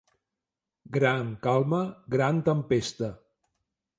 Gran calma, gran tempesta.